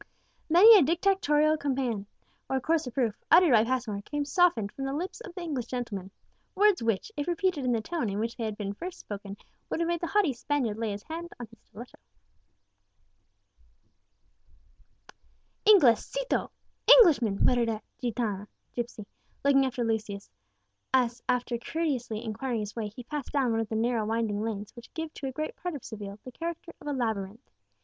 Many a dictatorial command or coarse reproof, uttered by Passmore, came softened from the lips of the English gentleman, words which, if repeated in the tone in which they had first been spoken, would have made the haughty Spaniard lay his hand on his stiletto. [Illustration: THE ALCAZAR OF SEVILLE. Page 20] "Inglesito!" (Englishman!) muttered a gitána (gipsy), looking after Lucius as, after courteously inquiring his way, he passed down one of the narrow winding lanes which give to a great part of Seville the character of a labyrinth.